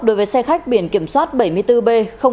đối với xe khách biển kiểm soát bảy mươi bốn b bốn trăm hai mươi sáu